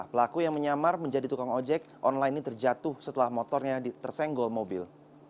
pelaku yang menyamar menjadi tukang ojek online ini terjatuh setelah motornya tersenggol mobil